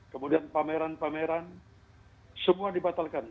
kemudian pameran pameran semua dibatalkan